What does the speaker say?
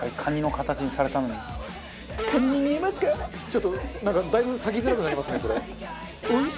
ちょっとなんかだいぶ割きづらくなりますねそれ。